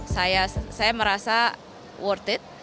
saya merasa worth it